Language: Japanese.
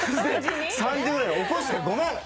３時ぐらいに起こしてごめん！